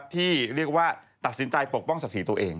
ที่เรียกว่าตัดสินใจปกป้องศักดิ์ตัวเอง